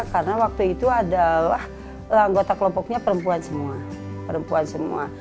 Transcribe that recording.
karena waktu itu adalah anggota kelompoknya perempuan semua